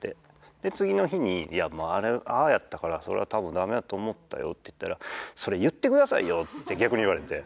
で次の日にいやあれああやったからそれは多分ダメやと思ったよって言ったらそれ言ってくださいよって逆に言われて。